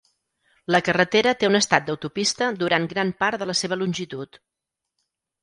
La carretera té un estat d'autopista durant gran part de la seva longitud.